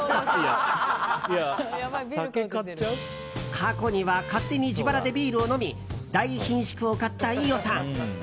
過去には勝手に自腹でビールを飲み大ひんしゅくを買った飯尾さん。